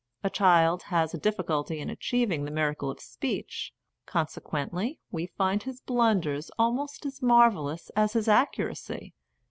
A child has a diffi culty in achieving the miracle of speech, consequently we find his blunders almost as marvellous as his accuracy.